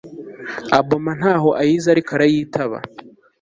aboma ntaho ayizi ariko arayitaba